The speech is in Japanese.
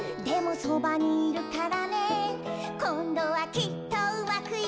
「でもそばにいるからねこんどはきっとうまくいくよ！」